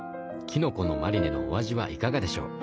きのこのマリネのお味はいかがでしょう？